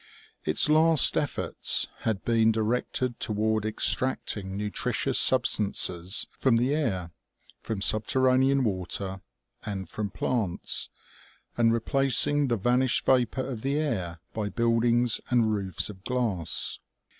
Its last efforts had been directed toward extracting nutritious substances from the air, from subterranean water, and from plants, and replac ing the vanished vapor of the air by buildings and roofs of glass.